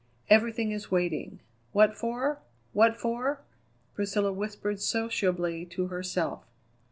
"Everything is waiting. What for? what for?" Priscilla whispered sociably to herself.